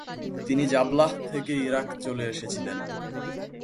তিনি জাবলাহ থেকে ইরাক চলে এসেছিলেন।